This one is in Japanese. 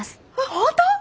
本当！？